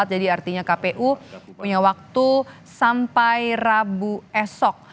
jadi artinya kpu punya waktu sampai rabu esok